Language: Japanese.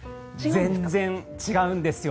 全然違うんですよ。